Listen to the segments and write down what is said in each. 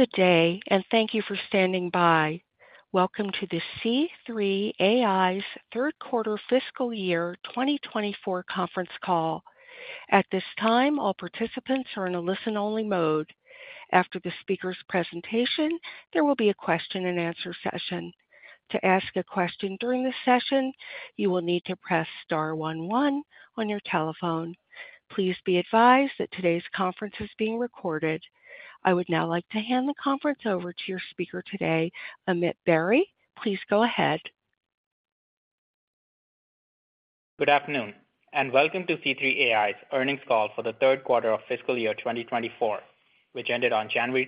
Good day, and thank you for standing by. Welcome to the C3 AI's third quarter fiscal year 2024 conference call. At this time, all participants are in a listen-only mode. After the speaker's presentation, there will be a question-and-answer session. To ask a question during the session, you will need to press star one one on your telephone. Please be advised that today's conference is being recorded. I would now like to hand the conference over to your speaker today, Amit Berry. Please go ahead. Good afternoon, and welcome to C3 AI's earnings call for the third quarter of fiscal year 2024, which ended on January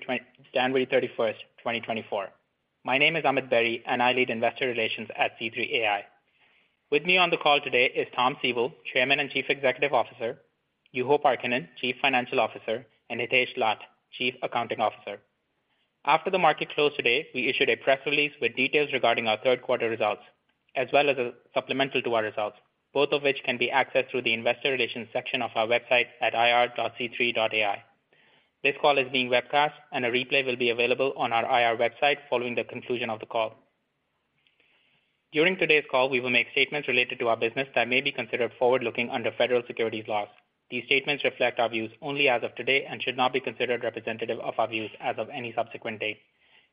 31st, 2024. My name is Amit Berry, and I lead investor relations at C3 AI. With me on the call today is Tom Siebel, Chairman and Chief Executive Officer, Juho Parkkinen, Chief Financial Officer, and Hitesh Lath, Chief Accounting Officer. After the market closed today, we issued a press release with details regarding our third quarter results, as well as a supplemental to our results, both of which can be accessed through the investor relations section of our website at ir.c3.ai. This call is being webcast, and a replay will be available on our IR website following the conclusion of the call. During today's call, we will make statements related to our business that may be considered forward-looking under federal securities laws. These statements reflect our views only as of today and should not be considered representative of our views as of any subsequent date.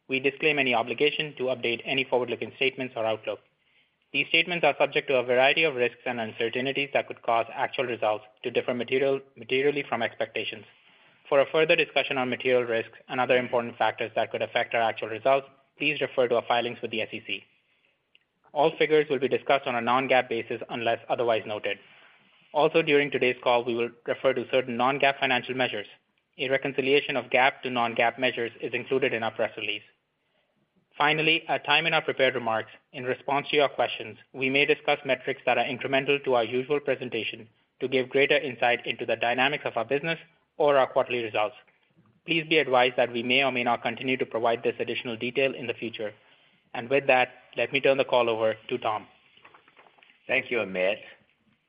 We disclaim any obligation to update any forward-looking statements or outlook. These statements are subject to a variety of risks and uncertainties that could cause actual results to differ materially from expectations. For a further discussion on material risks and other important factors that could affect our actual results, please refer to our filings with the SEC. All figures will be discussed on a non-GAAP basis unless otherwise noted. Also, during today's call, we will refer to certain non-GAAP financial measures. A reconciliation of GAAP to non-GAAP measures is included in our press release. Finally, a time in our prepared remarks. In response to your questions, we may discuss metrics that are incremental to our usual presentation to give greater insight into the dynamics of our business or our quarterly results. Please be advised that we may or may not continue to provide this additional detail in the future. With that, let me turn the call over to Tom. Thank you, Amit.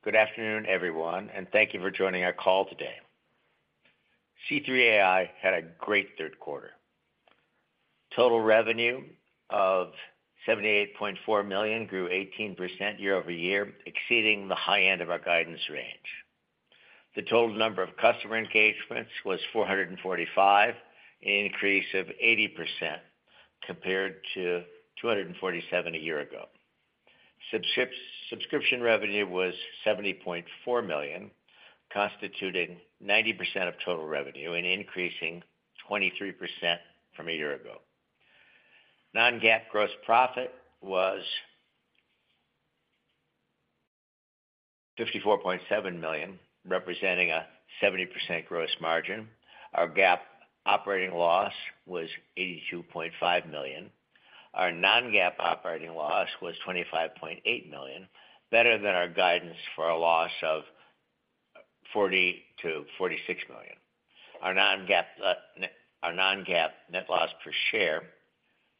Good afternoon, everyone, and thank you for joining our call today. C3 AI had a great third quarter. Total revenue of $78.4 million grew 18% year-over-year, exceeding the high end of our guidance range. The total number of customer engagements was 445, an increase of 80% compared to 247 a year ago. Subscription revenue was $70.4 million, constituting 90% of total revenue, an increase of 23% from a year ago. Non-GAAP gross profit was $54.7 million, representing a 70% gross margin. Our GAAP operating loss was $82.5 million. Our non-GAAP operating loss was $25.8 million, better than our guidance for a loss of $40 million-$46 million. Our non-GAAP net loss per share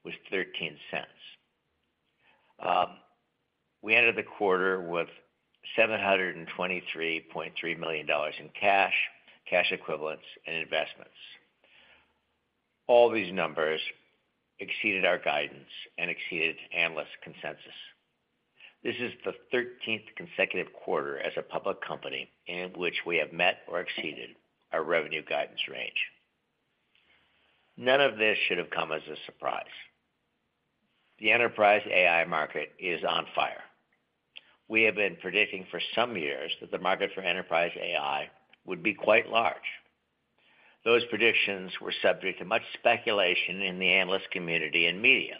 was $0.13. We ended the quarter with $723.3 million in cash, cash equivalents, and investments. All these numbers exceeded our guidance and exceeded analyst consensus. This is the 13th consecutive quarter as a public company in which we have met or exceeded our revenue guidance range. None of this should have come as a surprise. The enterprise AI market is on fire. We have been predicting for some years that the market for enterprise AI would be quite large. Those predictions were subject to much speculation in the analyst community and media.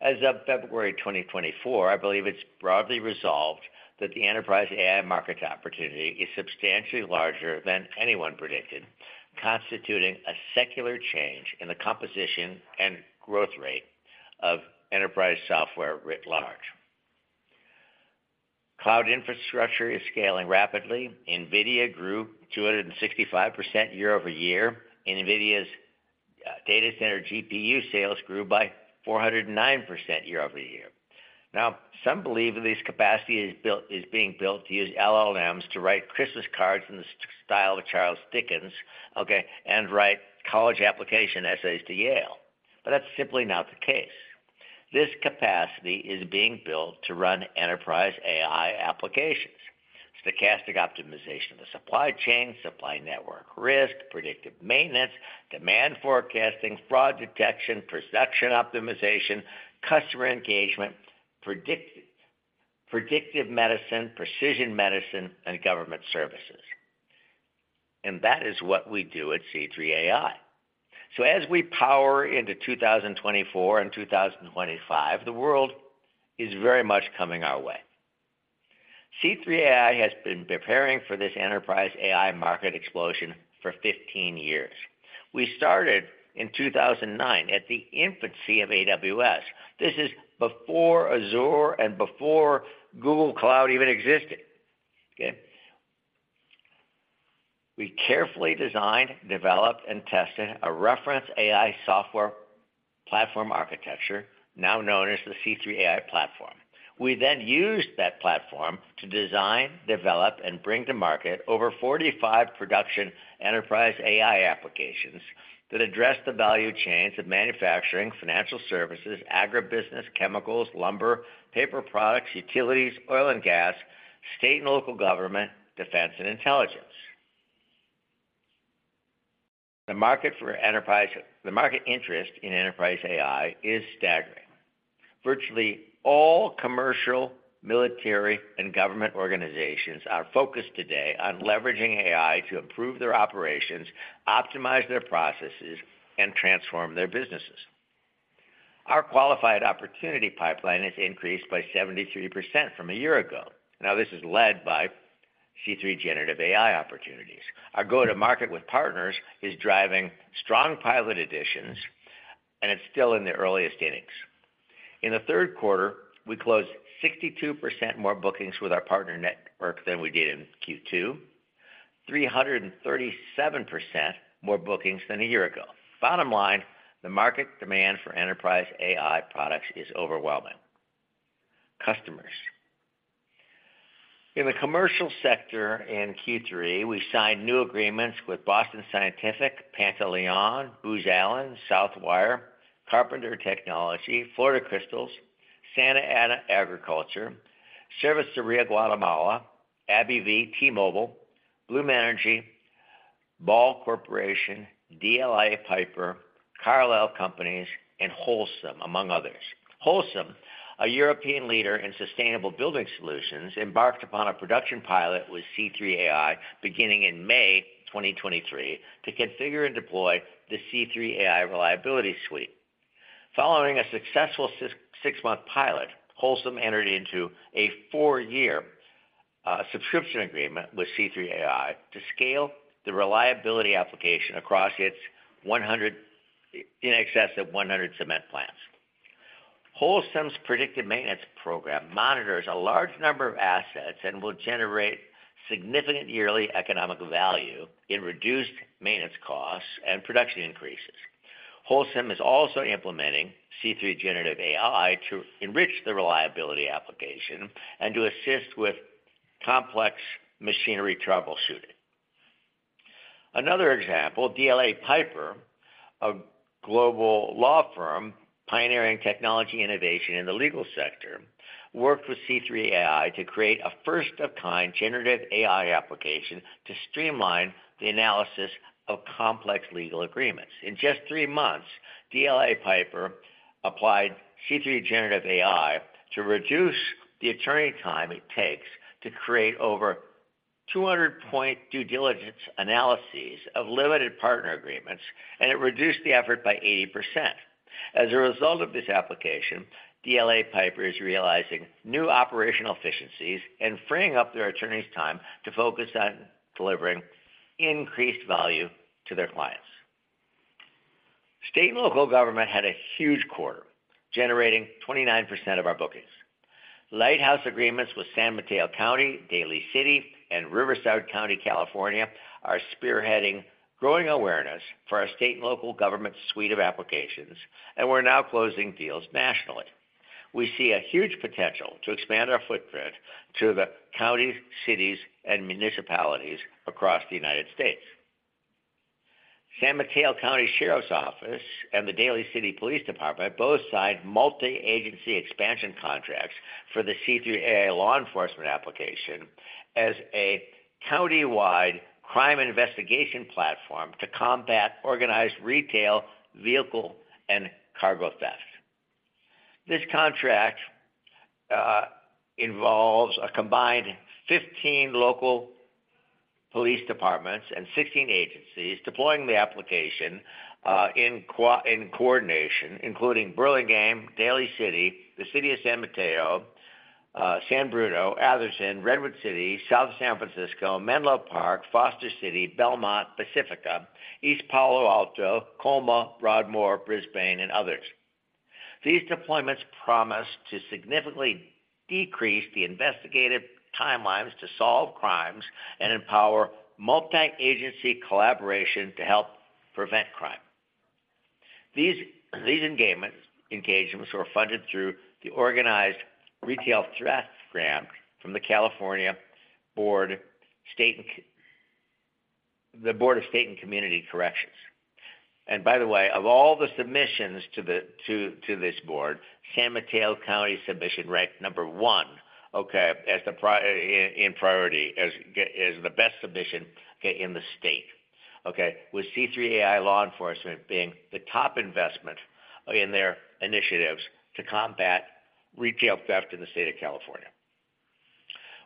As of February 2024, I believe it's broadly resolved that the enterprise AI market opportunity is substantially larger than anyone predicted, constituting a secular change in the composition and growth rate of enterprise software writ large. Cloud infrastructure is scaling rapidly. NVIDIA grew 265% year-over-year. NVIDIA's data center GPU sales grew by 409% year-over-year. Now, some believe that this capacity is being built to use LLMs to write Christmas cards in the style of Charles Dickens, okay, and write college application essays to Yale, but that's simply not the case. This capacity is being built to run enterprise AI applications: stochastic optimization of the supply chain, supply network risk, predictive maintenance, demand forecasting, fraud detection, production optimization, customer engagement, predictive medicine, precision medicine, and government services. And that is what we do at C3 AI. So as we power into 2024 and 2025, the world is very much coming our way. C3 AI has been preparing for this enterprise AI market explosion for 15 years. We started in 2009 at the infancy of AWS. This is before Azure and before Google Cloud even existed, okay? We carefully designed, developed, and tested a reference AI software platform architecture, now known as the C3 AI Platform. We then used that platform to design, develop, and bring to market over 45 production Enterprise AI applications that address the value chains of manufacturing, financial services, agribusiness, chemicals, lumber, paper products, utilities, oil and gas, state and local government, defense, and intelligence. The market interest in Enterprise AI is staggering. Virtually all commercial, military, and government organizations are focused today on leveraging AI to improve their operations, optimize their processes, and transform their businesses. Our qualified opportunity pipeline has increased by 73% from a year ago. Now, this is led by C3 AI Generative AI opportunities. Our go-to-market with partners is driving strong pilot editions, and it's still in the earliest innings. In the third quarter, we closed 62% more bookings with our partner network than we did in Q2, 337% more bookings than a year ago. Bottom line, the market demand for Enterprise AI products is overwhelming. Customers. In the commercial sector in Q3, we signed new agreements with Boston Scientific, Pantaleon, Booz Allen, Southwire, Carpenter Technology, Florida Crystals, Santa Ana Agriculture, Cerveceria Guatemala, AbbVie, T-Mobile, Bloom Energy, Ball Corporation, DLA Piper, Carlisle Companies, and Holcim, among others. Holcim, a European leader in sustainable building solutions, embarked upon a production pilot with C3 AI beginning in May 2023 to configure and deploy the C3 AI Reliability suite. Following a successful six-month pilot, Holcim entered into a four-year subscription agreement with C3 AI to scale the reliability application across its in excess of 100 cement plants. Holcim's predictive maintenance program monitors a large number of assets and will generate significant yearly economic value in reduced maintenance costs and production increases. Holcim is also implementing C3 AI Generative AI to enrich the reliability application and to assist with complex machinery troubleshooting. Another example, DLA Piper, a global law firm pioneering technology innovation in the legal sector, worked with C3 AI to create a first-of-kind generative AI application to streamline the analysis of complex legal agreements. In just three months, DLA Piper applied C3 AI Generative AI to reduce the attorney time it takes to create over 200-point due diligence analyses of limited partner agreements, and it reduced the effort by 80%. As a result of this application, DLA Piper is realizing new operational efficiencies and freeing up their attorneys' time to focus on delivering increased value to their clients. State and local government had a huge quarter, generating 29% of our bookings. Lighthouse agreements with San Mateo County, Daly City, and Riverside County, California, are spearheading growing awareness for our state and local government suite of applications, and we're now closing deals nationally. We see a huge potential to expand our footprint to the counties, cities, and municipalities across the United States. San Mateo County Sheriff's Office and the Daly City Police Department both signed multi-agency expansion contracts for the C3 AI Law Enforcement application as a county-wide crime investigation platform to combat organized retail, vehicle, and cargo theft. This contract involves a combined of 15 local police departments and 16 agencies deploying the application in coordination, including Burlingame, Daly City, the City of San Mateo, San Bruno, Atherton, Redwood City, South San Francisco, Menlo Park, Foster City, Belmont, Pacifica, East Palo Alto, Colma, Broadmoor, Brisbane, and others. These deployments promise to significantly decrease the investigative timelines to solve crimes and empower multi-agency collaboration to help prevent crime. These engagements were funded through the organized retail theft grant from the California Board of State and Community Corrections. And by the way, of all the submissions to this board, San Mateo County submission ranked number one, okay, in priority, as the best submission in the state, okay, with C3 AI Law Enforcement being the top investment in their initiatives to combat retail theft in the state of California.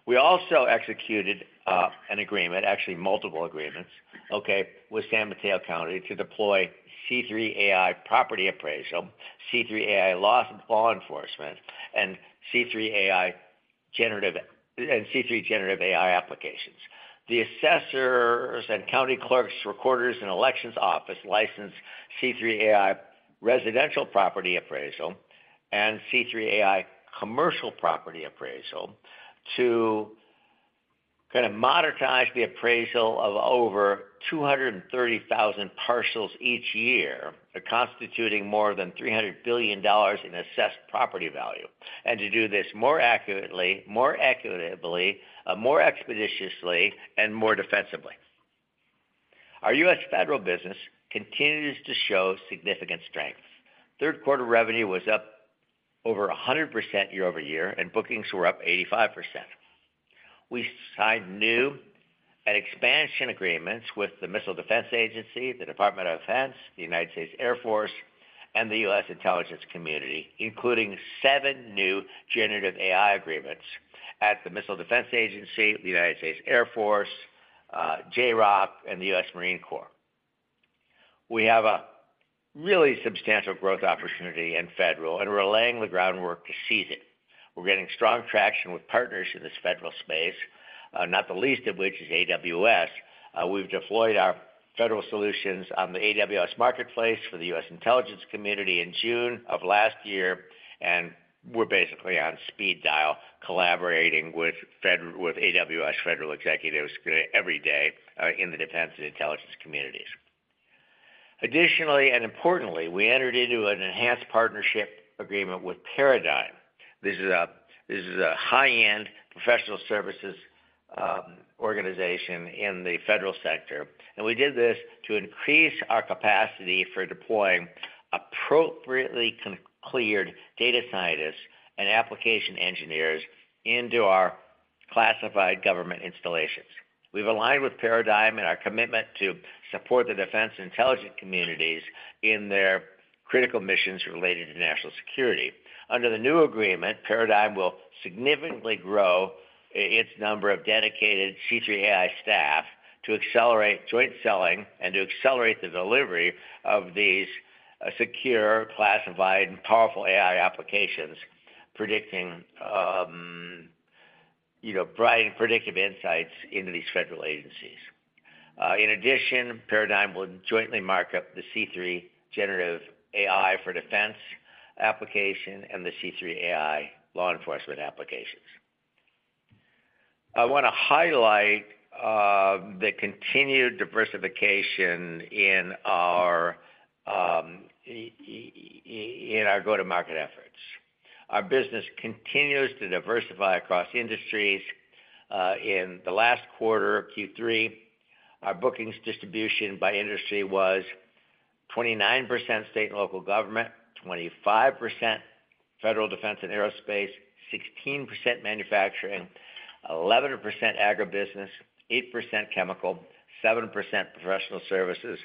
We also executed an agreement, actually multiple agreements, okay, with San Mateo County to deploy C3 AI property appraisal, C3 AI Law Enforcement, and C3 AI Generative AI applications. The assessors and county clerks, recorders, and elections office licensed C3 AI Residential Property Appraisal and C3 AI Commercial Property Appraisal to kind of monetize the appraisal of over 230,000 parcels each year, constituting more than $300 billion in assessed property value, and to do this more accurately, more expeditiously, and more defensively. Our U.S. federal business continues to show significant strength. Third quarter revenue was up over 100% year-over-year, and bookings were up 85%. We signed new and expansion agreements with the Missile Defense Agency, the Department of Defense, the U.S. Air Force, and the U.S. Intelligence Community, including 7 new generative AI agreements at the Missile Defense Agency, the U.S. Air Force, JROC, and the U.S. Marine Corps. We have a really substantial growth opportunity in federal, and we're laying the groundwork to seize it. We're getting strong traction with partners in this federal space, not the least of which is AWS. We've deployed our federal solutions on the AWS marketplace for the U.S. Intelligence Community in June of last year, and we're basically on speed dial collaborating with AWS federal executives every day in the defense and intelligence communities. Additionally and importantly, we entered into an enhanced partnership agreement with Paradyme. This is a high-end professional services organization in the federal sector, and we did this to increase our capacity for deploying appropriately cleared data scientists and application engineers into our classified government installations. We've aligned with Paradyme in our commitment to support the defense intelligence communities in their critical missions related to national security. Under the new agreement, Paradyme will significantly grow its number of dedicated C3 AI staff to accelerate joint selling and to accelerate the delivery of these secure, classified, and powerful AI applications, providing predictive insights into these federal agencies. In addition, Paradyme will jointly market the C3 AI Generative AI for defense application and the C3 AI law enforcement applications. I want to highlight the continued diversification in our go-to-market efforts. Our business continues to diversify across industries. In the last quarter, Q3, our bookings distribution by industry was 29% state and local government, 25% federal defense and aerospace, 16% manufacturing, 11% agribusiness, 8% chemical, 7% professional services,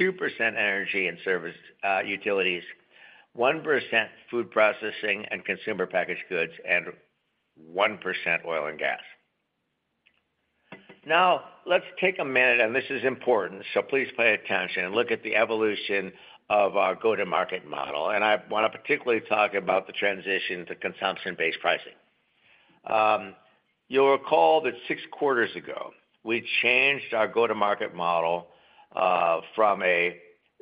2% energy and utilities, 1% food processing and consumer packaged goods, and 1% oil and gas. Now, let's take a minute, and this is important, so please pay attention and look at the evolution of our go-to-market model, and I want to particularly talk about the transition to consumption-based pricing. You'll recall that six quarters ago, we changed our go-to-market model from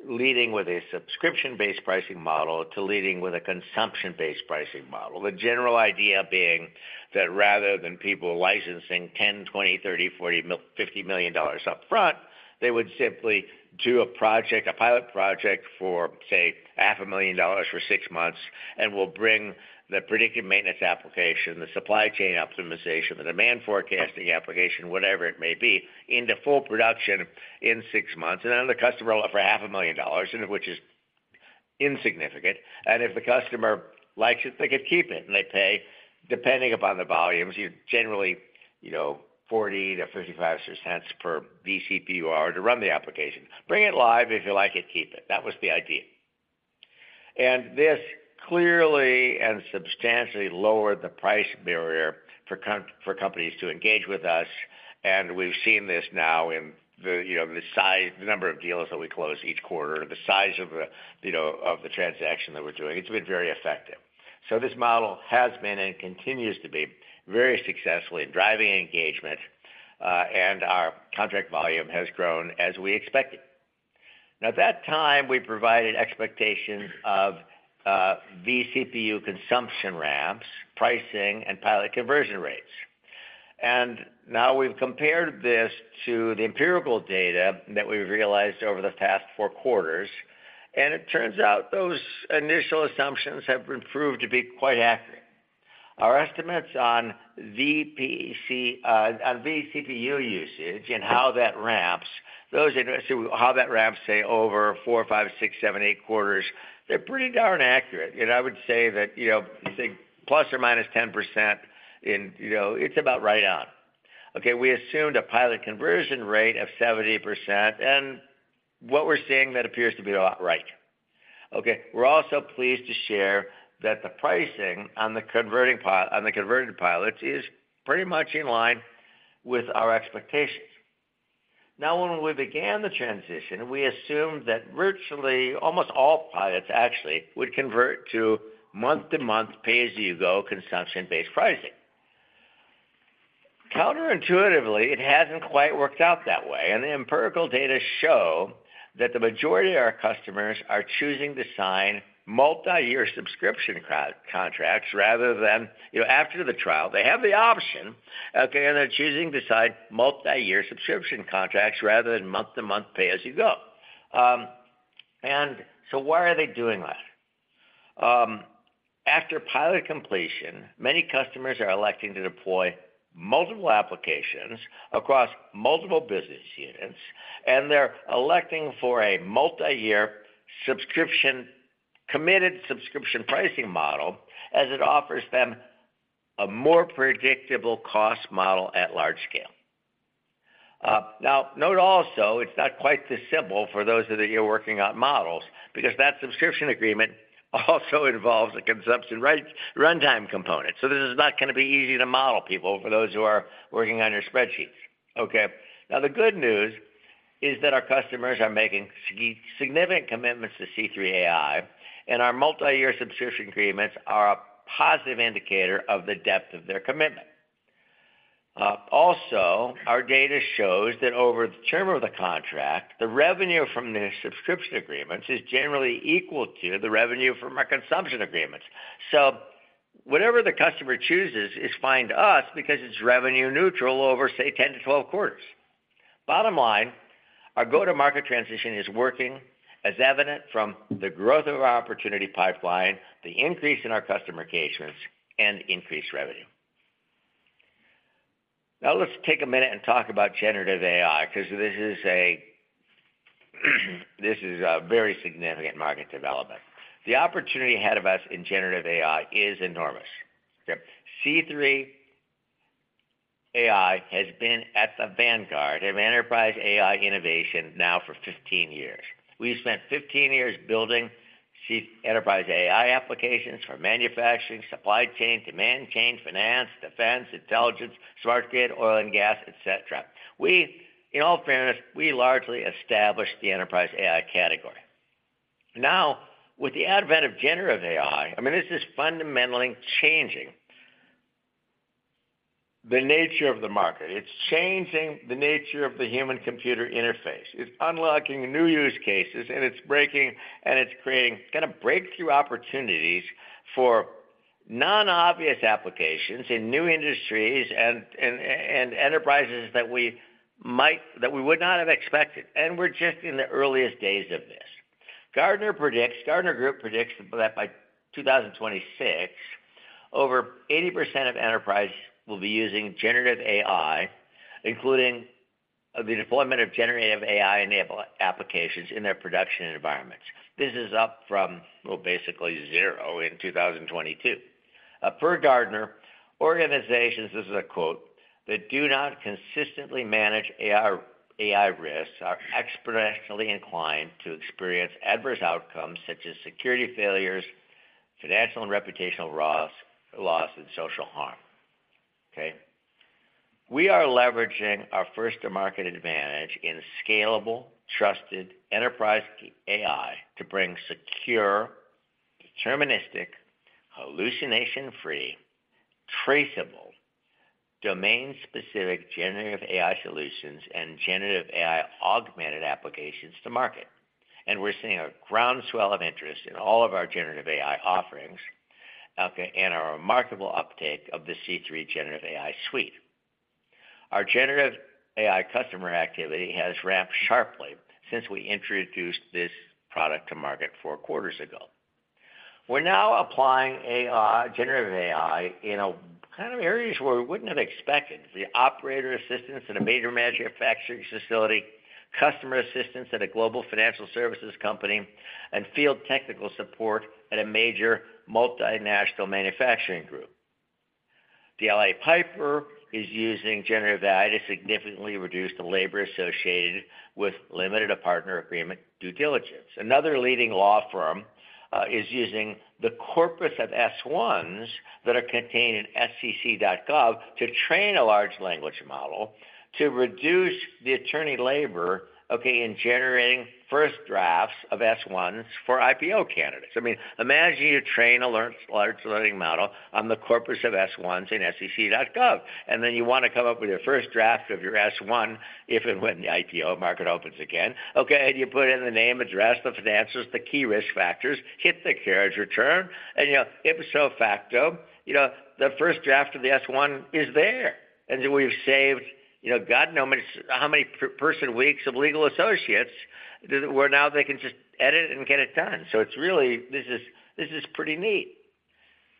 leading with a subscription-based pricing model to leading with a consumption-based pricing model, the general idea being that rather than people licensing $10 million-$50 million upfront, they would simply do a pilot project for, say, $500,000 for six months and will bring the predictive maintenance application, the supply chain optimization, the demand forecasting application, whatever it may be, into full production in six months and under the customer for $500,000, which is insignificant. And if the customer likes it, they could keep it and they pay, depending upon the volumes, generally $0.40-$0.55 per vCPU hour to run the application. Bring it live. If you like it, keep it. That was the idea. This clearly and substantially lowered the price barrier for companies to engage with us, and we've seen this now in the number of deals that we close each quarter, the size of the transaction that we're doing. It's been very effective. This model has been and continues to be very successful in driving engagement, and our contract volume has grown as we expected. Now, at that time, we provided expectations of vCPU consumption ramps, pricing, and pilot conversion rates. And now we've compared this to the empirical data that we've realized over the past four quarters, and it turns out those initial assumptions have proved to be quite accurate. Our estimates on vCPU usage and how that ramps, those how that ramps, say, over four, five, six, seven, eight quarters, they're pretty darn accurate. I would say that, say, ±10%, it's about right on. Okay, we assumed a pilot conversion rate of 70%, and what we're seeing, that appears to be a lot, right. Okay, we're also pleased to share that the pricing on the converted pilots is pretty much in line with our expectations. Now, when we began the transition, we assumed that virtually almost all pilots, actually, would convert to month-to-month, pay-as-you-go consumption-based pricing. Counterintuitively, it hasn't quite worked out that way, and the empirical data show that the majority of our customers are choosing to sign multi-year subscription contracts rather than, after the trial, they have the option, okay, and they're choosing to sign multi-year subscription contracts rather than month-to-month, pay-as-you-go. And so why are they doing that? After pilot completion, many customers are electing to deploy multiple applications across multiple business units, and they're electing for a multi-year committed subscription pricing model as it offers them a more predictable cost model at large scale. Now, note also, it's not quite this simple for those of you working on models because that subscription agreement also involves a consumption runtime component. So this is not going to be easy to model people for those who are working on your spreadsheets. Okay, now the good news is that our customers are making significant commitments to C3 AI, and our multi-year subscription agreements are a positive indicator of the depth of their commitment. Also, our data shows that over the term of the contract, the revenue from the subscription agreements is generally equal to the revenue from our consumption agreements. So whatever the customer chooses is fine to us because it's revenue neutral over, say, 10-12 quarters. Bottom line, our go-to-market transition is working, as evident from the growth of our opportunity pipeline, the increase in our customer engagements, and increased revenue. Now, let's take a minute and talk about generative AI because this is a very significant market development. The opportunity ahead of us in generative AI is enormous. C3 AI has been at the vanguard of enterprise AI innovation now for 15 years. We've spent 15 years building enterprise AI applications for manufacturing, supply chain, demand chain, finance, defense, intelligence, smart grid, oil and gas, etc. In all fairness, we largely established the enterprise AI category. Now, with the advent of generative AI, I mean, this is fundamentally changing the nature of the market. It's changing the nature of the human-computer interface. It's unlocking new use cases, and it's breaking and it's creating kind of breakthrough opportunities for non-obvious applications in new industries and enterprises that we would not have expected. And we're just in the earliest days of this. Gartner predicts that by 2026, over 80% of enterprises will be using generative AI, including the deployment of generative AI-enabled applications in their production environments. This is up from basically zero in 2022. Per Gartner, organizations - this is a quote - "that do not consistently manage AI risks are exponentially inclined to experience adverse outcomes such as security failures, financial and reputational loss, and social harm." Okay? We are leveraging our first-to-market advantage in scalable, trusted enterprise AI to bring secure, deterministic, hallucination-free, traceable, domain-specific generative AI solutions and generative AI augmented applications to market. We're seeing a groundswell of interest in all of our generative AI offerings and our remarkable uptake of the C3 Generative AI suite. Our generative AI customer activity has ramped sharply since we introduced this product to market four quarters ago. We're now applying generative AI in kind of areas where we wouldn't have expected: the operator assistance at a major manufacturing facility, customer assistance at a global financial services company, and field technical support at a major multinational manufacturing group. DLA Piper is using generative AI to significantly reduce the labor associated with limited partner agreement due diligence. Another leading law firm is using the corpus of S-1s that are contained in SEC.gov to train a large language model to reduce the attorney labor in generating first drafts of S-1s for IPO candidates. I mean, imagine you train a large language model on the corpus of S-1s in SEC.gov, and then you want to come up with your first draft of your S-1 if and when the IPO market opens again. Okay, and you put in the name, address, the financiers, the key risk factors, hit the carriage return, and ipso facto, the first draft of the S-1 is there. And we've saved God knows how many person-weeks of legal associates where now they can just edit and get it done. So this is pretty neat.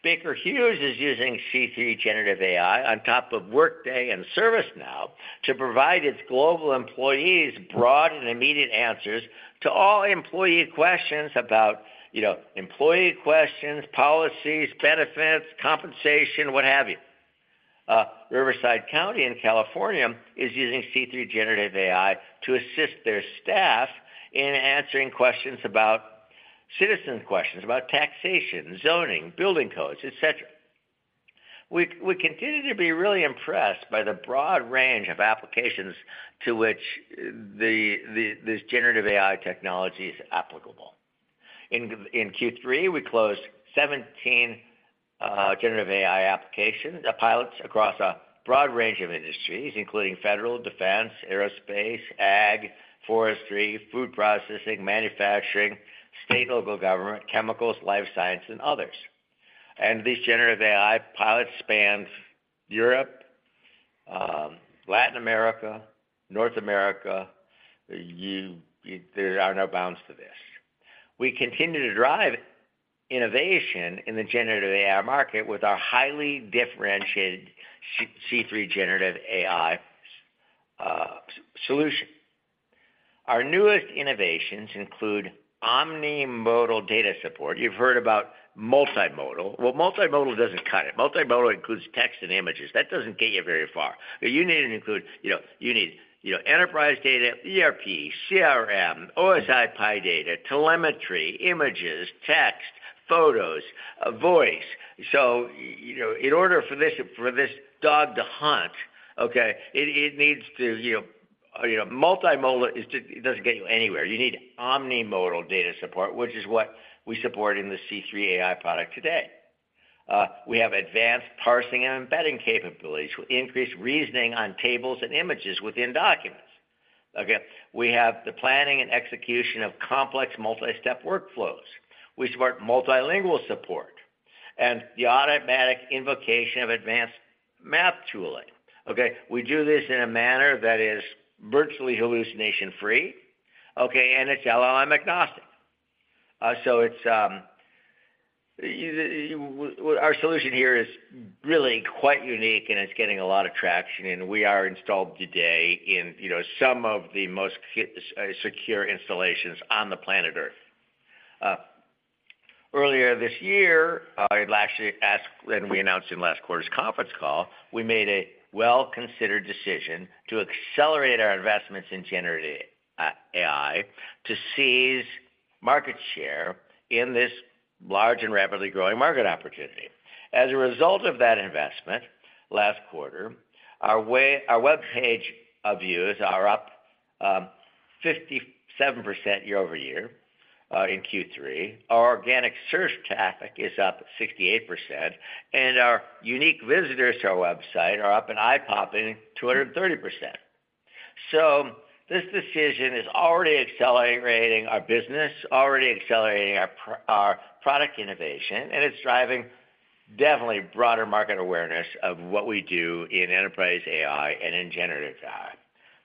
Baker Hughes is using C3 Generative AI on top of Workday and ServiceNow to provide its global employees broad and immediate answers to all employee questions about employee questions, policies, benefits, compensation, what have you. Riverside County in California is using C3 Generative AI to assist their staff in answering questions about citizen questions, about taxation, zoning, building codes, etc. We continue to be really impressed by the broad range of applications to which this generative AI technology is applicable. In Q3, we closed 17 generative AI pilots across a broad range of industries, including federal, defense, aerospace, ag, forestry, food processing, manufacturing, state and local government, chemicals, life science, and others. And these generative AI pilots spanned Europe, Latin America, North America. There are no bounds to this. We continue to drive innovation in the generative AI market with our highly differentiated C3 Generative AI solution. Our newest innovations include omnimodal data support. You've heard about multimodal. Well, multimodal doesn't cut it. Multimodal includes text and images. That doesn't get you very far. You need to include enterprise data, ERP, CRM, OSI PI data, telemetry, images, text, photos, voice. So in order for this dog to hunt, okay, it needs to multimodal. Doesn't get you anywhere. You need omnimodal data support, which is what we support in the C3 AI product today. We have advanced parsing and embedding capabilities with increased reasoning on tables and images within documents. Okay, we have the planning and execution of complex multi-step workflows. We support multilingual support and the automatic invocation of advanced math tooling. Okay, we do this in a manner that is virtually hallucination-free, okay, and it's LLM-agnostic. So our solution here is really quite unique, and it's getting a lot of traction, and we are installed today in some of the most secure installations on the planet Earth. Earlier this year, I'd like to ask and we announced in last quarter's conference call, we made a well-considered decision to accelerate our investments in generative AI to seize market share in this large and rapidly growing market opportunity. As a result of that investment last quarter, our web page views are up 57% year-over-year in Q3. Our organic search traffic is up 68%, and our unique visitors to our website are up an eye-popping 230%. So this decision is already accelerating our business, already accelerating our product innovation, and it's driving definitely broader market awareness of what we do in enterprise AI and in generative AI.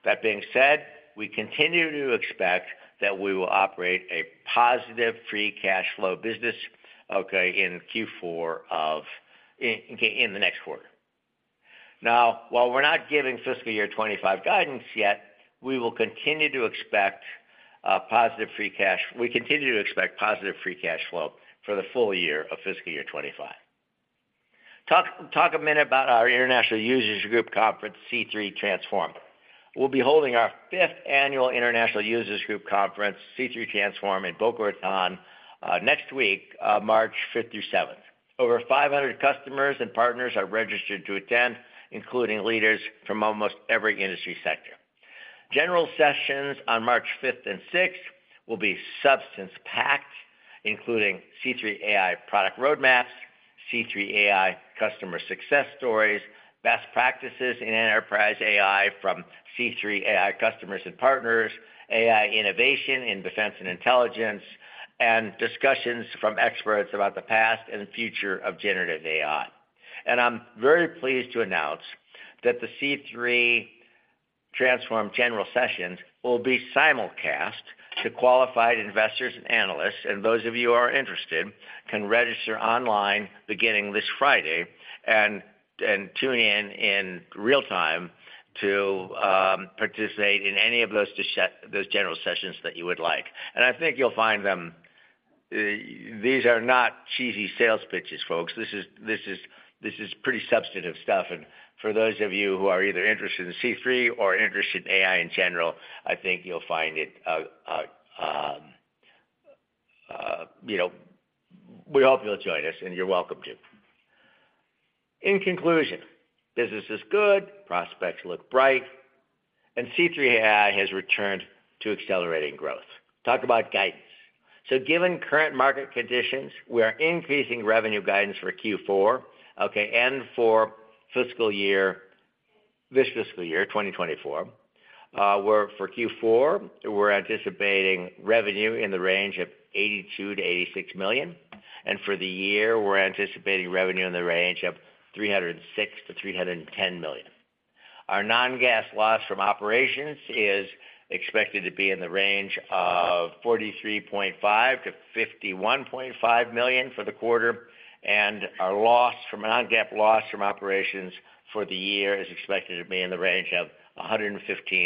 That being said, we continue to expect that we will operate a positive free cash flow business in Q4 of in the next quarter. Now, while we're not giving fiscal year 2025 guidance yet, we will continue to expect positive free cash flow for the full year of fiscal year 2025. Talk a minute about our International Users Group Conference, C3 Transform. We'll be holding our fifth annual International Users Group Conference, C3 Transform, in Boston next week, March 5th through 7th. Over 500 customers and partners are registered to attend, including leaders from almost every industry sector. General sessions on March 5th and 6th will be substance-packed, including C3 AI product roadmaps, C3 AI customer success stories, best practices in enterprise AI from C3 AI customers and partners, AI innovation in defense and intelligence, and discussions from experts about the past and future of generative AI. I'm very pleased to announce that the C3 Transform general sessions will be simulcast to qualified investors and analysts, and those of you who are interested can register online beginning this Friday and tune in in real time to participate in any of those general sessions that you would like. I think you'll find them. These are not cheesy sales pitches, folks. This is pretty substantive stuff. For those of you who are either interested in C3 or interested in AI in general, I think you'll find it. We hope you'll join us, and you're welcome to. In conclusion, business is good, prospects look bright, and C3 AI has returned to accelerating growth. Talk about guidance. Given current market conditions, we are increasing revenue guidance for Q4 and for fiscal year this fiscal year, 2024. For Q4, we're anticipating revenue in the range of $82 million-$86 million, and for the year, we're anticipating revenue in the range of $306 million-$310 million. Our non-GAAP loss from operations is expected to be in the range of $43.5 million-$51.5 million for the quarter, and our non-GAAP loss from operations for the year is expected to be in the range of $115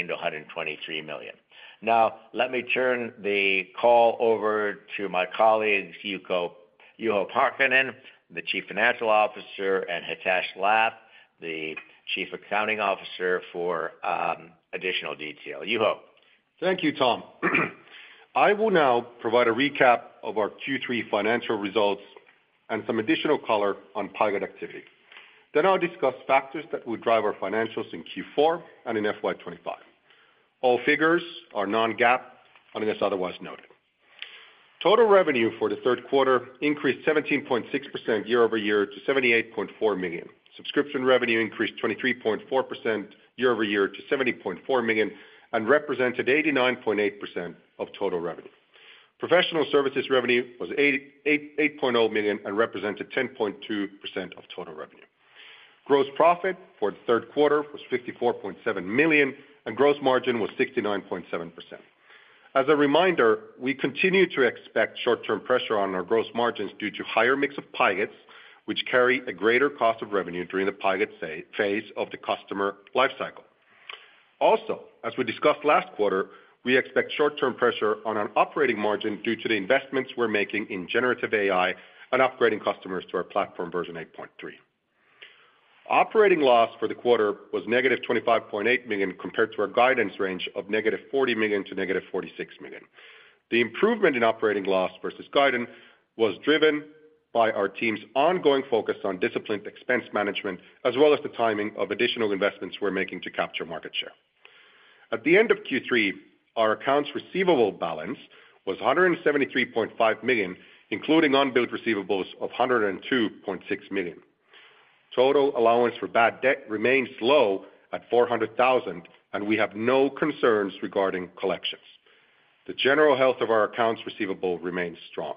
million-$123 million. Now, let me turn the call over to my colleagues, Juho Parkkinen, the Chief Financial Officer, and Hitesh Lath, the Chief Accounting Officer, for additional detail. Juho. Thank you, Tom. I will now provide a recap of our Q3 financial results and some additional color on pilot activity. Then I'll discuss factors that would drive our financials in Q4 and in FY 2025. All figures are non-GAAP unless otherwise noted. Total revenue for the third quarter increased 17.6% year-over-year to $78.4 million. Subscription revenue increased 23.4% year-over-year to $70.4 million and represented 89.8% of total revenue. Professional services revenue was $8.0 million and represented 10.2% of total revenue. Gross profit for the third quarter was $54.7 million, and gross margin was 69.7%. As a reminder, we continue to expect short-term pressure on our gross margins due to higher mix of pilots, which carry a greater cost of revenue during the pilot phase of the customer lifecycle. Also, as we discussed last quarter, we expect short-term pressure on an operating margin due to the investments we're making in generative AI and upgrading customers to our platform version 8.3. Operating loss for the quarter was negative $25.8 million compared to our guidance range of negative $40 million-negative $46 million. The improvement in operating loss versus guidance was driven by our team's ongoing focus on disciplined expense management as well as the timing of additional investments we're making to capture market share. At the end of Q3, our accounts receivable balance was $173.5 million, including unbilled receivables of $102.6 million. Total allowance for bad debt remains low at $400,000, and we have no concerns regarding collections. The general health of our accounts receivable remains strong.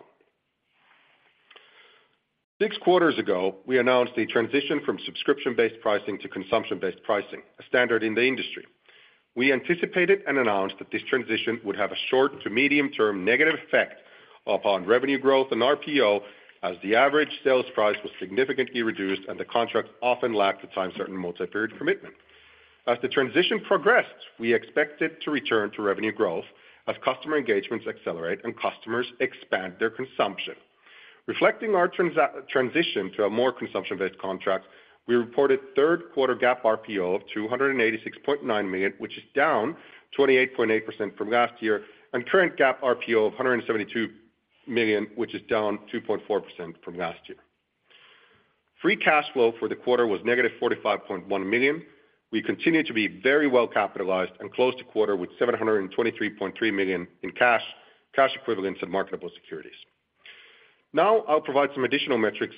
Six quarters ago, we announced a transition from subscription-based pricing to consumption-based pricing, a standard in the industry. We anticipated and announced that this transition would have a short- to medium-term negative effect upon revenue growth and RPO as the average sales price was significantly reduced and the contracts often lacked the typical multi-period commitments. As the transition progressed, we expected to return to revenue growth as customer engagements accelerate and customers expand their consumption. Reflecting our transition to a more consumption-based contract, we reported third quarter GAAP RPO of $286.9 million, which is down 28.8% from last year, and current GAAP RPO of $172 million, which is down 2.4% from last year. Free cash flow for the quarter was negative $45.1 million. We continue to be very well capitalized and closed the quarter with $723.3 million in cash, cash equivalents, and marketable securities. Now I'll provide some additional metrics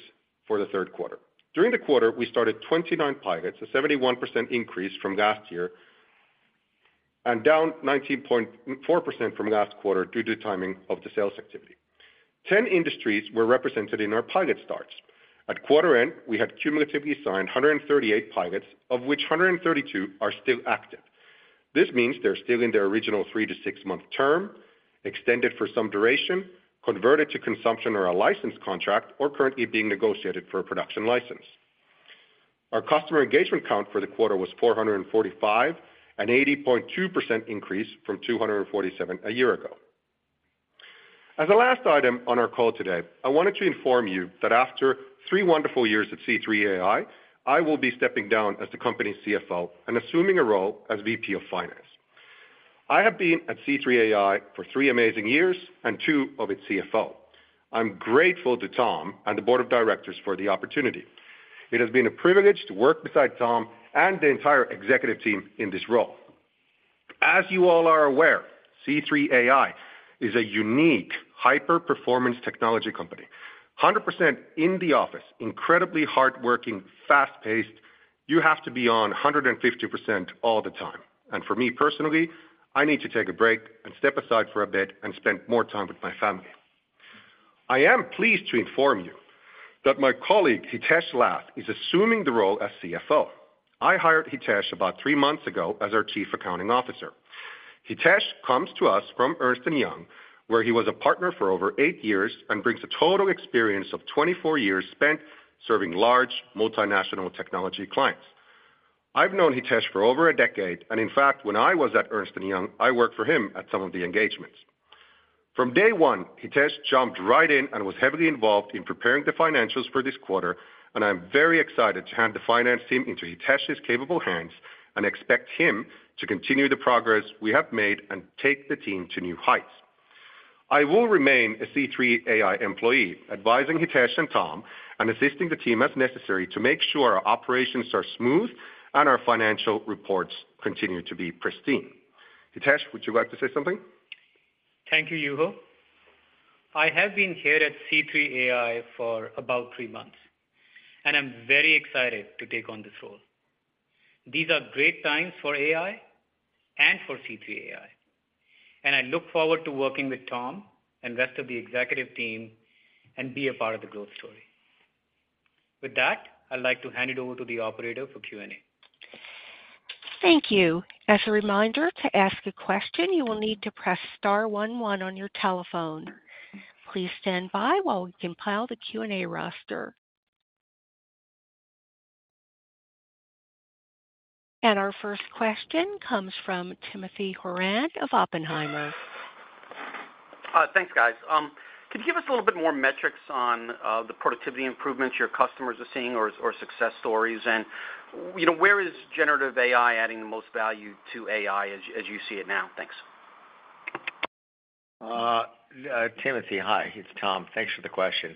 for the third quarter. During the quarter, we started 29 pilots, a 71% increase from last year, and down 19.4% from last quarter due to the timing of the sales activity. 10 industries were represented in our pilot starts. At quarter end, we had cumulatively signed 138 pilots, of which 132 are still active. This means they're still in their original three- to six-month term, extended for some duration, converted to consumption or a licensed contract, or currently being negotiated for a production license. Our customer engagement count for the quarter was 445, an 80.2% increase from 247 a year ago. As a last item on our call today, I wanted to inform you that after three wonderful years at C3 AI, I will be stepping down as the company's CFO and assuming a role as VP of Finance. I have been at C3 AI for three amazing years and two of its CFO. I'm grateful to Tom and the board of directors for the opportunity. It has been a privilege to work beside Tom and the entire executive team in this role. As you all are aware, C3 AI is a unique hyper-performance technology company. 100% in the office, incredibly hardworking, fast-paced. You have to be on 150% all the time. And for me personally, I need to take a break and step aside for a bit and spend more time with my family. I am pleased to inform you that my colleague, Hitesh Lath, is assuming the role as CFO. I hired Hitesh about three months ago as our Chief Accounting Officer. Hitesh comes to us from Ernst & Young, where he was a partner for over eight years and brings a total experience of 24 years spent serving large, multinational technology clients. I've known Hitesh for over a decade, and in fact, when I was at Ernst & Young, I worked for him at some of the engagements. From day one, Hitesh jumped right in and was heavily involved in preparing the financials for this quarter, and I'm very excited to hand the finance team into Hitesh's capable hands and expect him to continue the progress we have made and take the team to new heights. I will remain a C3 AI employee, advising Hitesh and Tom and assisting the team as necessary to make sure our operations are smooth and our financial reports continue to be pristine. Hitesh, would you like to say something? Thank you, Juho. I have been here at C3 AI for about three months, and I'm very excited to take on this role. These are great times for AI and for C3 AI, and I look forward to working with Tom and the rest of the executive team and be a part of the growth story. With that, I'd like to hand it over to the operator for Q&A. Thank you. As a reminder, to ask a question, you will need to press star one one on your telephone. Please stand by while we compile the Q&A roster. Our first question comes from Timothy Horan of Oppenheimer. Thanks, guys. Could you give us a little bit more metrics on the productivity improvements your customers are seeing or success stories, and where is generative AI adding the most value to AI as you see it now? Thanks. Timothy, hi. It's Tom. Thanks for the question.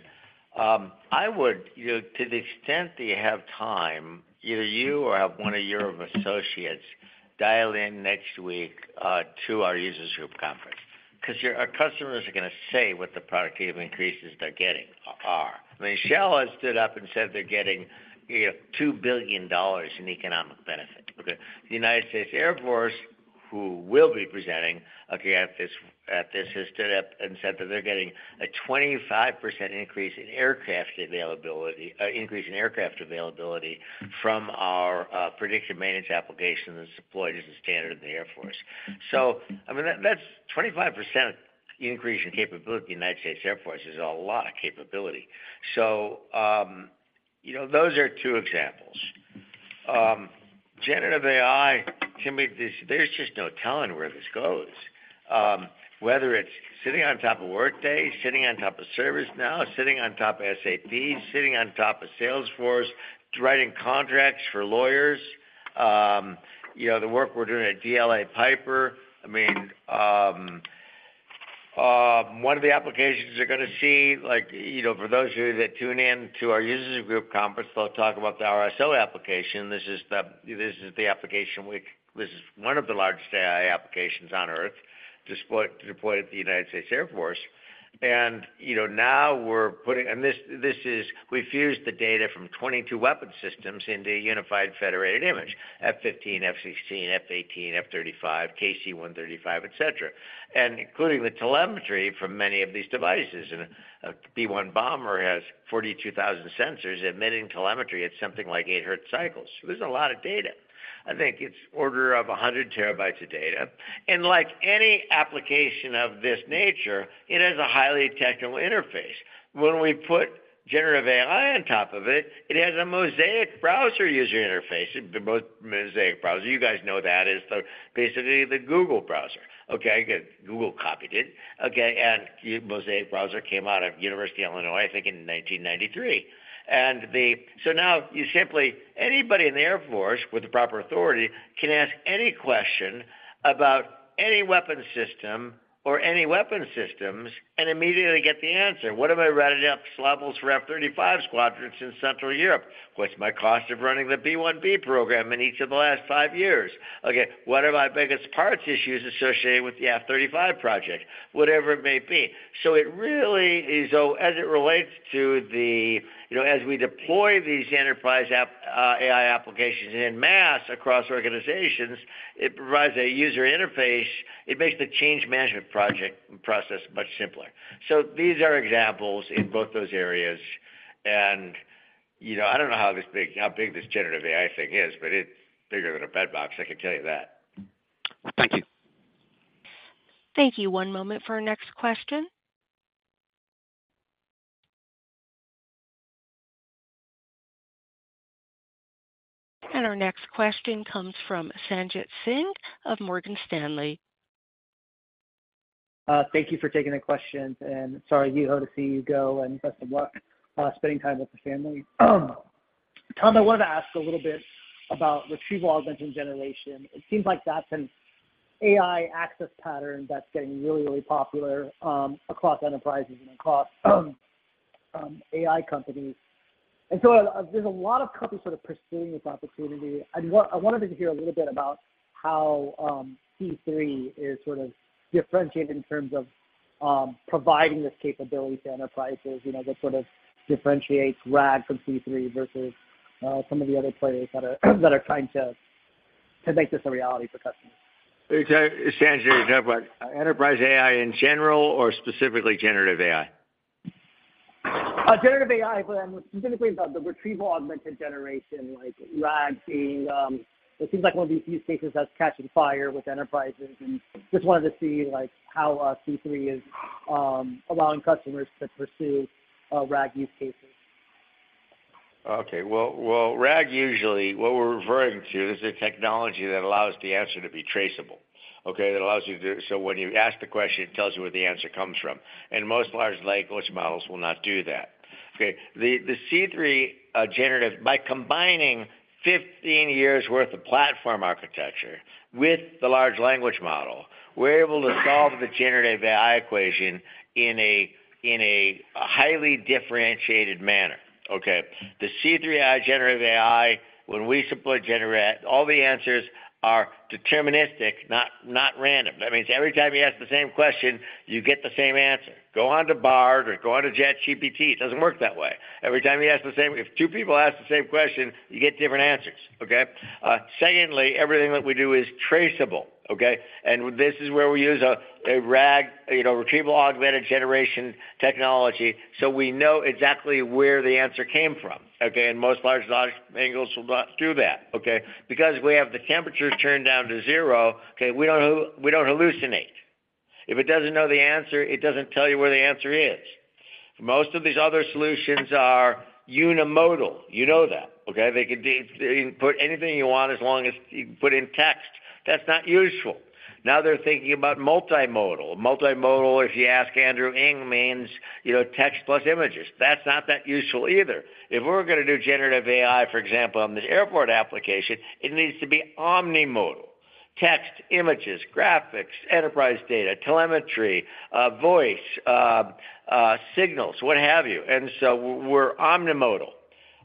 I would, to the extent that you have time, either you or one of your associates dial in next week to our users group conference because our customers are going to say what the productivity of increases they're getting are. Shell has stood up and said they're getting $2 billion in economic benefit. The United States Air Force, who will be presenting at this, has stood up and said that they're getting a 25% increase in aircraft availability from our predictive maintenance applications deployed as a standard in the Air Force. So I mean, that's 25% increase in capability. The United States Air Force is a lot of capability. So those are two examples. Generative AI, there's just no telling where this goes. Whether it's sitting on top of Workday, sitting on top of ServiceNow, sitting on top of SAP, sitting on top of Salesforce, writing contracts for lawyers, the work we're doing at DLA Piper, I mean, one of the applications you're going to see for those of you that tune in to our users group conference, they'll talk about the RSO application. This is the application. This is one of the largest AI applications on Earth deployed at the United States Air Force. And now we're putting, and this is, we fused the data from 22 weapon systems into a unified federated image: F-15, F-16, F-18, F-35, KC-135, etc., and including the telemetry from many of these devices. And a B-1 bomber has 42,000 sensors emitting telemetry at something like 8 Hz cycles. So there's a lot of data. I think it's order of 100 TB of data. Like any application of this nature, it has a highly technical interface. When we put generative AI on top of it, it has a Mosaic browser user interface. The Mosaic browser, you guys know that is basically the Google browser. Okay, Google copied it. Okay, and Mosaic browser came out of University of Illinois, I think, in 1993. And so now anybody in the Air Force with the proper authority can ask any question about any weapon system or any weapon systems and immediately get the answer. What have I routed up SLAPs for F-35 squadrons in Central Europe? What's my cost of running the B-1B program in each of the last five years? Okay, what are my biggest parts issues associated with the F-35 project? Whatever it may be. So it really is, as it relates to, as we deploy these Enterprise AI applications en masse across organizations, it provides a user interface. It makes the change management project process much simpler. So these are examples in both those areas. And I don't know how big this generative AI thing is, but it's bigger than Betamax. I can tell you that. Thank you. Thank you. One moment for our next question. Our next question comes from Sanjit Singh of Morgan Stanley. Thank you for taking the question. Sorry, Juho, to see you go and best of luck spending time with the family. Tom, I wanted to ask a little bit about retrieval augmented generation. It seems like that's an AI access pattern that's getting really, really popular across enterprises and across AI companies. So there's a lot of companies sort of pursuing this opportunity. I wanted to hear a little bit about how C3 is sort of differentiated in terms of providing this capability to enterprises that sort of differentiates RAG from C3 versus some of the other players that are trying to make this a reality for customers. Sanjit... Enterprise AI in general or specifically generative AI? Generative AI, but specifically the Retrieval Augmented Generation, like RAG being. It seems like one of these use cases that's catching fire with enterprises. Just wanted to see how C3 is allowing customers to pursue RAG use cases. Okay. Well, RAG usually what we're referring to is a technology that allows the answer to be traceable, okay, that allows you to so when you ask the question, it tells you where the answer comes from. And most large language models will not do that. Okay, the C3 Generative AI by combining 15 years' worth of platform architecture with the large language model, we're able to solve the generative AI equation in a highly differentiated manner, okay? The C3 Generative AI, when we support all the answers are deterministic, not random. That means every time you ask the same question, you get the same answer. Go on to Bard or go on to ChatGPT. It doesn't work that way. Every time you ask the same if two people ask the same question, you get different answers, okay? Secondly, everything that we do is traceable, okay? This is where we use a RAG, retrieval augmented generation technology, so we know exactly where the answer came from, okay? And most large language models will not do that, okay? Because we have the temperatures turned down to zero, okay, we don't hallucinate. If it doesn't know the answer, it doesn't tell you where the answer is. Most of these other solutions are unimodal. You know that, okay? They can put anything you want as long as you put in text. That's not useful. Now they're thinking about multimodal. Multimodal, if you ask Andrew Ng, means text plus images. That's not that useful either. If we're going to do generative AI, for example, on this airport application, it needs to be omnimodal: text, images, graphics, enterprise data, telemetry, voice, signals, what have you. And so we're omnimodal.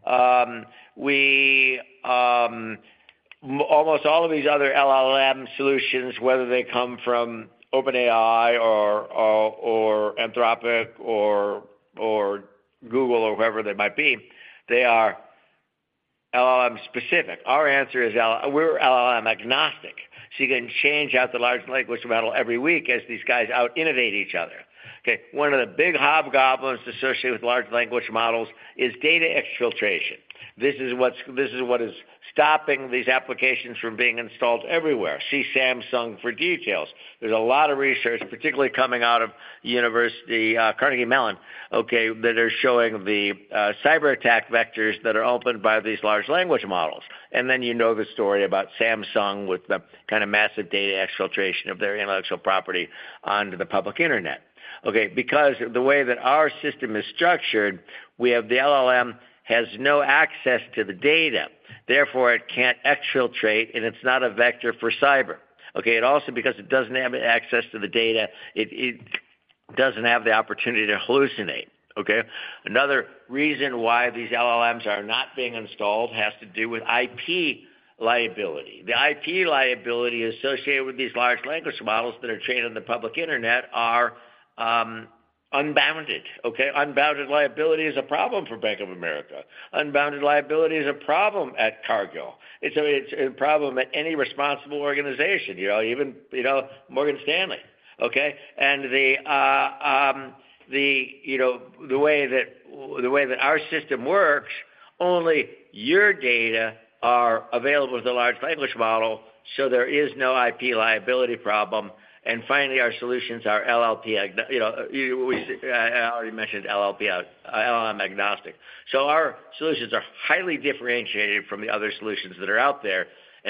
Almost all of these other LLM solutions, whether they come from OpenAI or Anthropic or Google or whoever they might be, they are LLM-specific. We're LLM-agnostic. So you can change out the large language model every week as these guys out-innovate each other, okay? One of the big hobgoblins associated with large language models is data exfiltration. This is what is stopping these applications from being installed everywhere. See Samsung for details. There's a lot of research, particularly coming out of Carnegie Mellon, okay, that are showing the cyberattack vectors that are opened by these large language models. And then you know the story about Samsung with the kind of massive data exfiltration of their intellectual property onto the public internet, okay? Because the way that our system is structured, the LLM has no access to the data. Therefore, it can't exfiltrate, and it's not a vector for cyber, okay? Also, because it doesn't have access to the data, it doesn't have the opportunity to hallucinate, okay? Another reason why these LLMs are not being installed has to do with IP liability. The IP liability associated with these large language models that are trained on the public internet are unbounded, okay? Unbounded liability is a problem for Bank of America. Unbounded liability is a problem at Cargill. It's a problem at any responsible organization, even Morgan Stanley, okay? And the way that our system works, only your data are available to the large language model, so there is no IP liability problem. And finally, our solutions are LLM-agnostic, as I already mentioned. So our solutions are highly differentiated from the other solutions that are out there.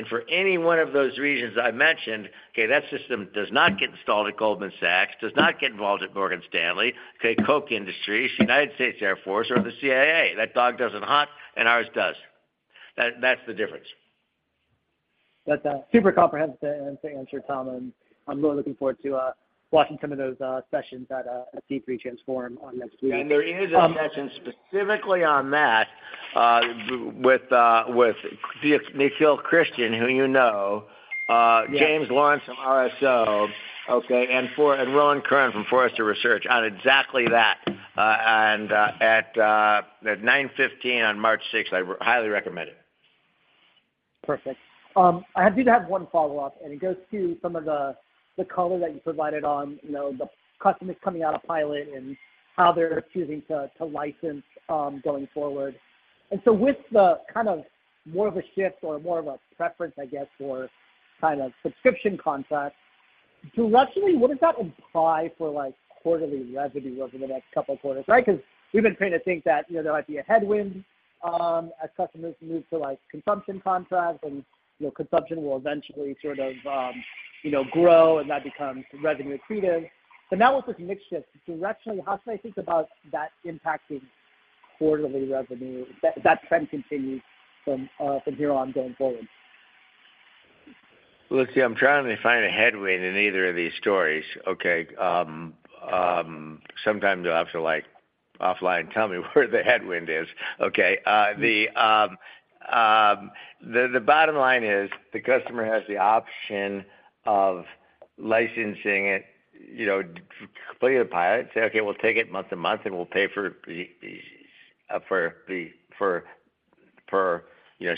For any one of those reasons I mentioned, okay, that system does not get installed at Goldman Sachs, does not get involved at Morgan Stanley, okay, Koch Industries, United States Air Force, or the CIA. That dog doesn't hunt, and ours does. That's the difference. That's super comprehensive answer, Tom. I'm really looking forward to watching some of those sessions at C3 Transform next week. There is a session specifically on that with Nikhil Krishnan, who you know, James Lawrence from RSO, okay, and Rowan Curran from Forrester Research on exactly that. At 9:15 on March 6th, I highly recommend it. Perfect. I do have one follow-up, and it goes to some of the color that you provided on the customers coming out of pilot and how they're choosing to license going forward. And so with the kind of more of a shift or more of a preference, I guess, for kind of subscription contracts, directionally, what does that imply for quarterly revenue over the next couple of quarters, right? Because we've been trying to think that there might be a headwind as customers move to consumption contracts, and consumption will eventually sort of grow, and that becomes revenue accretive. But now with this mixed shift, directionally, how should I think about that impacting quarterly revenue if that trend continues from here on going forward? Well, let's see. I'm trying to find a headwind in either of these stories, okay? Sometimes you'll have to offline tell me where the headwind is, okay? The bottom line is the customer has the option of licensing it completely to pilot, say, "Okay, we'll take it month to month, and we'll pay for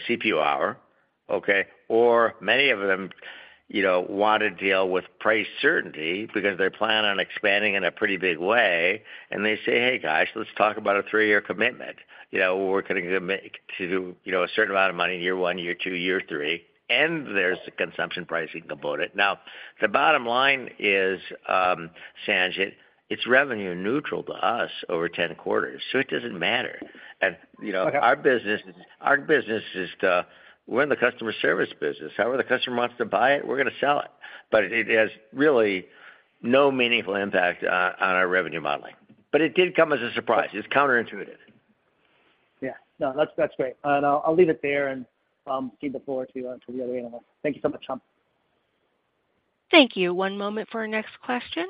CPU hour," okay? Or many of them want to deal with price certainty because they plan on expanding in a pretty big way, and they say, "Hey, guys, let's talk about a three-year commitment. We're going to commit to a certain amount of money year one, year two, year three." And there's a consumption pricing component. Now, the bottom line is, Sanjit, it's revenue neutral to us over 10 quarters, so it doesn't matter. And our business is to we're in the customer service business. However the customer wants to buy it, we're going to sell it. But it has really no meaningful impact on our revenue modeling. But it did come as a surprise. It's counterintuitive. Yeah. No, that's great. And I'll leave it there and skip the floor to the other analysts. Thank you so much, Tom. Thank you. One moment for our next question.